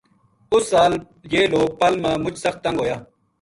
اُس سال یہ لوک پَل ما مچ سخت تنگ ہویا